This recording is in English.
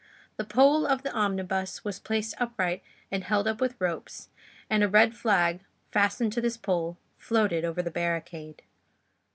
The pole of the omnibus was placed upright and held up with ropes, and a red flag, fastened to this pole, floated over the barricade.